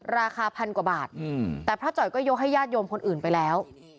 ราคาพันกว่าบาทแต่พระจ่อยก็ยกให้ญาติโยมคนอื่นไปแล้ว